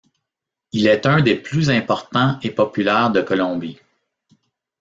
Il est un des plus importants et populaires de Colombie.